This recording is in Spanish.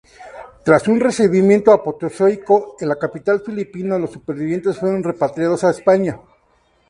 Tras un recibimiento apoteósico en la capital filipina, los supervivientes fueron repatriados a España.